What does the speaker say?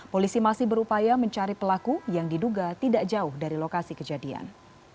polisi masih berupaya mencari pelaku yang diduga tidak jauh dari lokasi kejadian